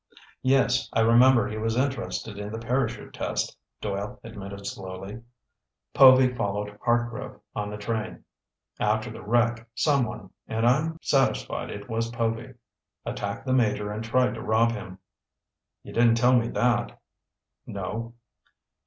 "Yes, I remember he was interested in the parachute test," Doyle admitted slowly. "Povy followed Hartgrove on the train. After the wreck, someone—and I'm satisfied it was Povy—attacked the Major and tried to rob him." "You didn't tell me that." "No."